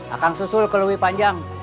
akang susul ke lui panjang